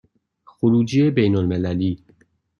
خروجی بین المللی